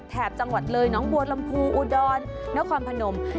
จังหวัดเลยน้องบัวลำพูอุดรนครพนม